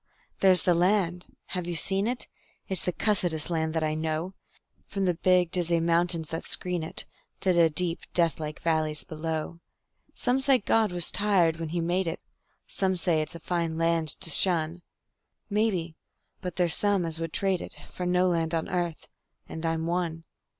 There's the land. (Have you seen it?) It's the cussedest land that I know, From the big, dizzy mountains that screen it To the deep, deathlike valleys below. Some say God was tired when He made it; Some say it's a fine land to shun; Maybe; but there's some as would trade it For no land on earth and I'm one.